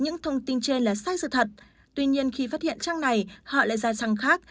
những thông tin trên là sai sự thật tuy nhiên khi phát hiện trang này họ lại ra rằng khác